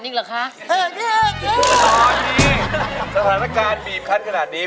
สถานการณ์บีบคันขนาดนี้